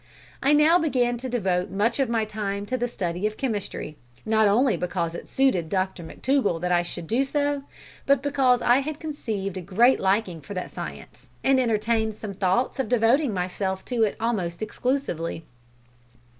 I now began to devote much of my time to the study of chemistry, not only because it suited Dr McTougall that I should do so, but because I had conceived a great liking for that science, and entertained some thoughts of devoting myself to it almost exclusively.